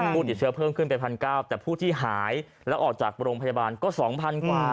ผู้ติดเชื้อเพิ่มขึ้นไป๑๙๐๐แต่ผู้ที่หายแล้วออกจากโรงพยาบาลก็๒๐๐๐กว่า